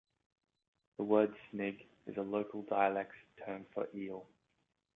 The word snig is a local dialect term for eel.